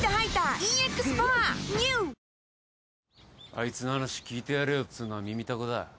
あいつの話聞いてやれよっつうのは耳タコだ。